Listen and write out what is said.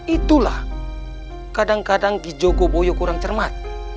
itulah kadang kadang gijo goboyo kurang cermat